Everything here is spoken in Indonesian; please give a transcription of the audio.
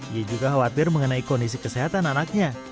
ia juga khawatir mengenai kondisi kesehatan anaknya